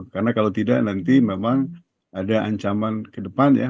karena kalau tidak nanti memang ada ancaman ke depan ya